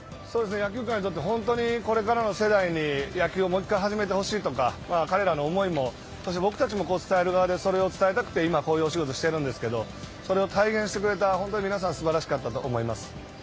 野球界にとって本当にこれからの世代に野球をもう一回始めてほしいとか彼らの思いもそして僕たちも伝える側でそれを伝えたくて僕らもこういうお仕事してるんですけどそれを体現してくれたほんとに皆さん素晴らしかったと思います。